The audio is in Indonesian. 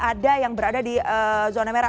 bahwa tidak ada yang berada di zona merah